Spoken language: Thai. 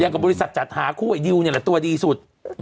กับบริษัทจัดหาคู่ไอดิวเนี่ยแหละตัวดีสุด